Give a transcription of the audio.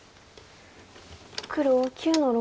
黒９の六。